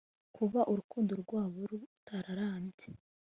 Kuba urukundo rwabo rutararambye